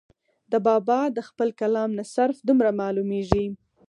د بابا د خپل کلام نه صرف دومره معلوميږي